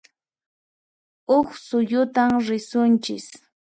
Huq suyutan risunchis